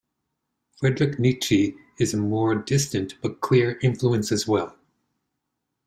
Friedrich Nietzsche is a more distant, but clear, influence as well.